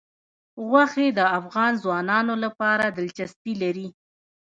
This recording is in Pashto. غوښې د افغان ځوانانو لپاره دلچسپي لري.